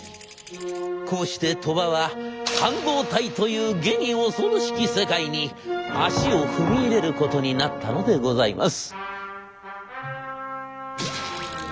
こうして鳥羽は半導体というげに恐ろしき世界に足を踏み入れることになったのでございます。